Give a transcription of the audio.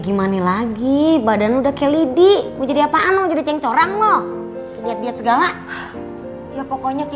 gimana lagi badan udah kayak lidi mau jadi apaan mau jadi cengcorang loh diet diet segala ya pokoknya